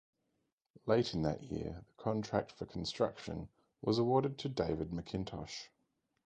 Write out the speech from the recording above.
Late in that year the contract for construction was awarded to David Macintosh.